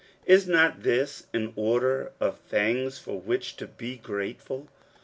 Is not this an order of things for which to be grateful ?